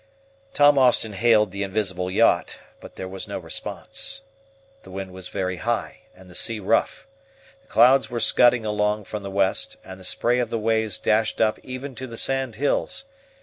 Tom Austin hailed the invisible yacht, but there was no response. The wind was very high and the sea rough. The clouds were scudding along from the west, and the spray of the waves dashed up even to the sand hills.